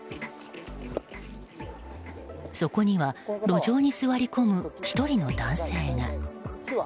そこには路上に座り込む１人の男性が。